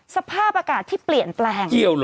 สภาพอากาศที่เปลี่ยนแปลง